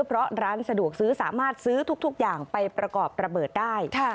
เพราะร้านสะดวกซื้อสามารถซื้อทุกอย่างไปประกอบระเบิดได้